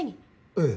ええ。